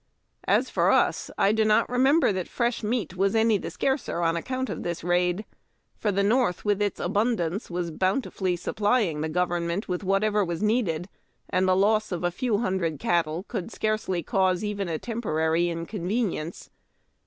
As for us, I do not remember that fresh meat was any the scarcer on account of this raid, for the North, with its abundance, was bountifully supplying the goverhment with whatever was needed, and the loss of a few hundred cattle could scarcely cause even a temporary inconvenience.